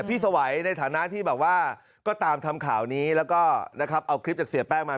พี่สวายในฐานะที่ก็ตามทำข่าวนี้แล้วก็เอาคลิปจากเสียแป้งมา